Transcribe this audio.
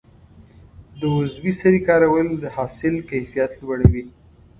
د عضوي سرې کارول د حاصل کیفیت لوړوي.